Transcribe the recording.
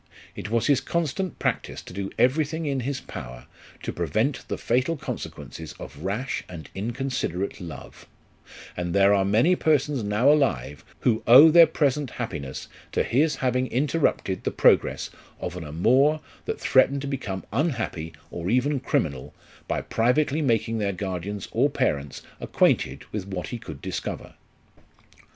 It was his constant practice to do everything in his power to prevent the fatal consequences of rash and inconsiderate love ; and there are many persons now alive, who owe their present happiness to his having inter rupted the progress of an amour that threatened to become unhappy, or even criminal, by privately making their guardians or parents acquainted with what he could discover.